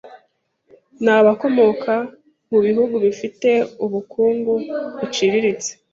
ni abakomoka mu bihugu bifite ubukungu buciriritse.